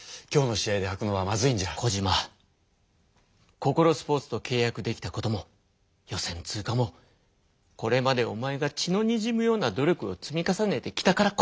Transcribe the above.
ココロスポーツとけい約できたことも予選通過もこれまでおまえが血のにじむような努力を積み重ねてきたからこそだ。